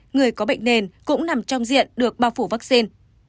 người có bệnh nền cũng nằm trong diện được bao phủ vaccine